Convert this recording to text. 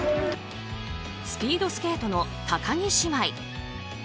スピードスケートの高木姉妹。